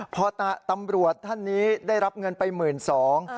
พอตำรวจท่านนี้ได้รับเงินไปหมื่นสอง